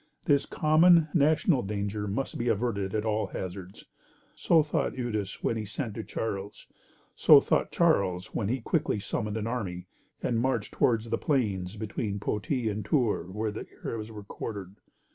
This common, national danger must be averted at all hazards. So thought Eudes when he sent to Charles. So thought Charles when he quickly summoned an army, and marched toward the plains between Poitiers and Tours, where the Arabs were quartered.